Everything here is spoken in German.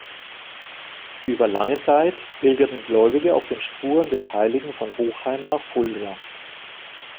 Über lange Zeit pilgerten Gläubige auf den Spuren des Heiligen von Hochheim nach Fulda.